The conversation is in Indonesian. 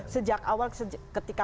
sejak awal ketika